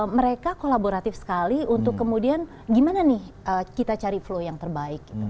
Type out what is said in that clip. mereka kolaboratif sekali untuk kemudian gimana nih kita cari flow yang terbaik gitu